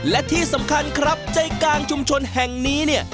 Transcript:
และที่สำคัญครับใจกลางชุมชนแห่งนี้เนี่ย